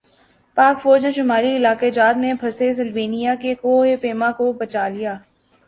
پاک فوج نے شمالی علاقہ جات میں پھنسے سلوینیا کے کوہ پیما کو بچالیا